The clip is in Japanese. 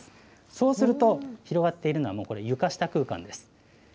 そうすると広がっているのは、もう、これ、床下空間です。